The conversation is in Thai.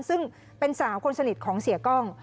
ซึ่งเป็นสาวคนสนิทของเสียกล้อง